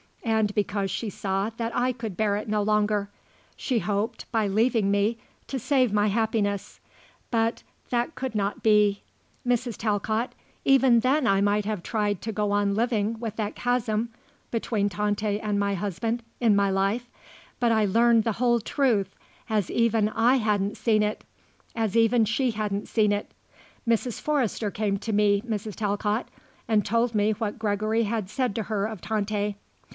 And because she saw that I could bear it no longer. She hoped, by leaving me, to save my happiness. But that could not be. Mrs. Talcott, even then I might have tried to go on living with that chasm between Tante and my husband in my life; but I learned the whole truth as even I hadn't seen it; as even she hadn't seen it. Mrs. Forrester came to me, Mrs. Talcott, and told me what Gregory had said to her of Tante.